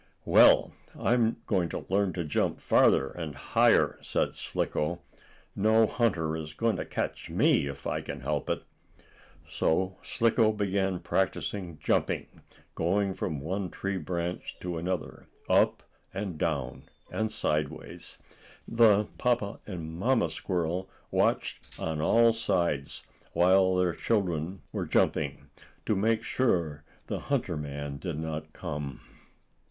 "Well, I'm going to learn to jump farther and higher," said Slicko. "No hunter is going to catch me, if I can help it." So Slicko began practicing jumping, going from one tree branch to another, up and down, and sideways. The papa and mamma squirrel watched on all sides while their children were jumping, to make sure the hunter man did not come.